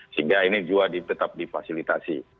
sehingga ini juga tetap difasilitasi